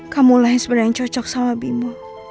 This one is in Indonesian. kamu lah yang sebenarnya cocok sama bimo